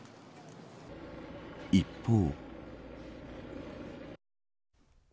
一方。